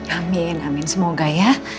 amin amin semoga ya